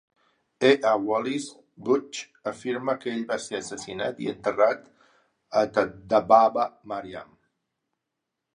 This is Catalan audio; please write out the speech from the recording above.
E. A. Wallis Budge afirma que ell va ser assassinat, i "enterrat a Tadbaba Maryam".